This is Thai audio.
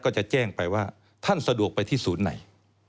ก็จะแจ้งไปว่าท่านสะดวกไปที่ศูนย์ไหน